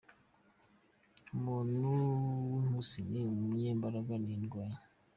Umuntu w’inkusi ni umunyembaraga, ni indwanyi.